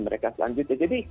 mereka selanjutnya jadi